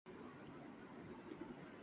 کیا آپ مجھے پسند کرتے ہیں؟ میں کہاں ہوں؟